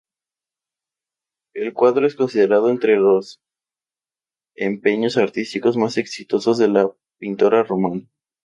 El cuadro es considerado entre los empeños artísticos más exitosos de la pintora romana.